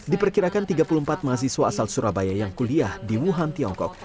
diperkirakan tiga puluh empat mahasiswa asal surabaya yang kuliah di wuhan tiongkok